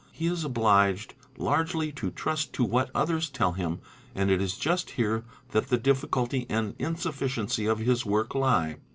He is obliged largely to trust to what others tell him and it is just here that the difficulty and insufficiency of his work lhe.